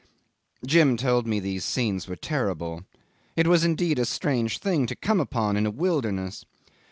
Jim told me these scenes were terrible. It was indeed a strange thing to come upon in a wilderness.